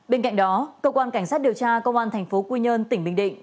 bên cạnh đó cơ quan cảnh sát điều tra công an thành phố quy nhơn tỉnh bình định